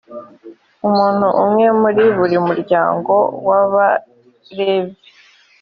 umuntu umwe muri buri muryango w’abalevi.